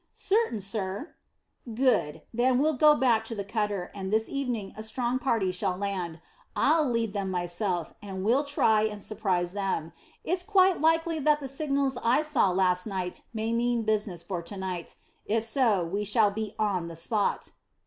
"Certain, sir." "Good. Then we'll go back to the cutter, and this evening a strong party shall land. I'll lead them myself, and we'll try and surprise them. It's quite likely that the signals I saw last night may mean business for to night. If so, we shall be on the spot."